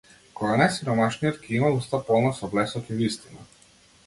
Кога најсиромашниот ќе има уста полна со блесок и вистина.